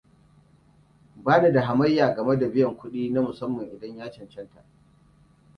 Ba ni da hamayya game da biyan kuɗi na musamman idan ya cancanta.